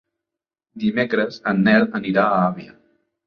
Dimecres en Nel anirà a Avià.